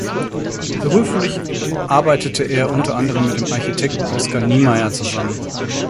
Beruflich arbeitete er unter anderem mit dem Architekten Oscar Niemeyer zusammen.